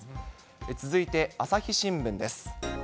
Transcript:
続いて朝日新聞です。